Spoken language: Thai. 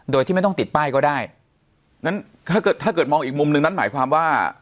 โดยที่ไม่ต้องติดป้ายก็ได้งั้นถ้าเกิดถ้าเกิดมองอีกมุมหนึ่งนั้นหมายความว่า